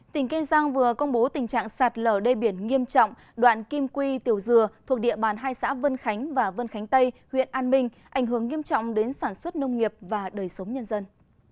tỉnh kiên giang vừa công bố tình trạng sạt lở đê biển nghiêm trọng đoạn kim quy tiểu dừa thuộc địa bàn hai xã vân khánh và vân khánh tây huyện an minh ảnh hưởng nghiêm trọng đến sản xuất nông nghiệp và đời sống nhân dân